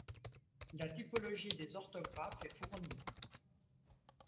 La typologie des orthographes est fournie.